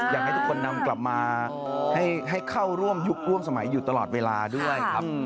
อยากให้ทุกคนนำกลับมาให้เข้าร่วมยุคร่วมสมัยอยู่ตลอดเวลาด้วยครับ